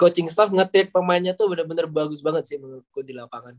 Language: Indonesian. coaching staff nge tap pemainnya tuh bener bener bagus banget sih menurutku di lapangan